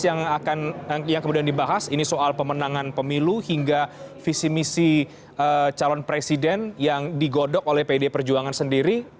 yang kemudian dibahas ini soal pemenangan pemilu hingga visi misi calon presiden yang digodok oleh pd perjuangan sendiri